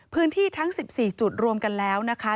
พื้นที่ทั้ง๑๔จุดรวมกันแล้วนะคะ